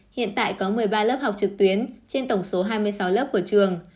hiện tại có một mươi ba lớp học trực tuyến trên tổng số hai mươi sáu lớp của trường